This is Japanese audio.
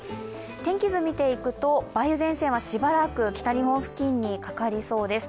天気図見ていくと、梅雨前線はしばらく北日本付近にかかりそうです。